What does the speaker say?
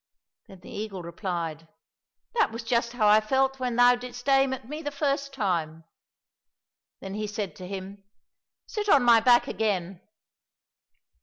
— Then the eagle replied, " That was just how I felt when thou didst aim at me the first time." Then he said to him, " Sit on my back again